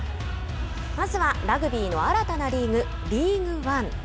まずはラグビーの新たなリーグリーグワン。